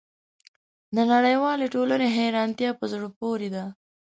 د نړیوالې ټولنې حیرانتیا په زړه پورې ده.